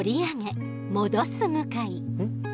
ん？